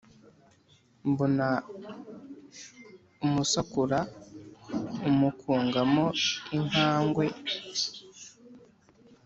Mbona umusakura umukungamo inkangwe,